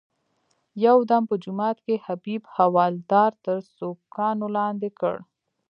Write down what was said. یو دم په جومات کې حبیب حوالدار تر سوکانو لاندې کړ.